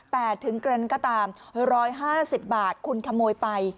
แต่ถึงเกรนก็ตาม๑๕๐บาทคุณขโมยไป